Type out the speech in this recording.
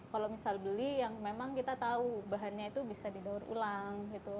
kalau misal beli yang memang kita tahu bahannya itu bisa didaur ulang gitu